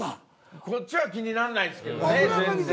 こっちは気になんないですけどね全然。